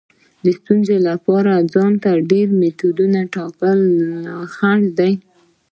د ستونزې لپاره ځان ته ډیر میتودونه ټاکل خنډ دی.